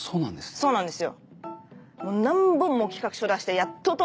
そうなんですよ。